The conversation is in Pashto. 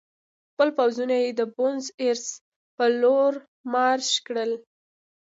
خپل پوځونه یې د بونیس ایرس په لور مارش کړل.